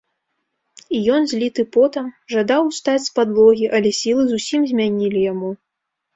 І ён, зліты потам, жадаў устаць з падлогі, але сілы зусім змянілі яму.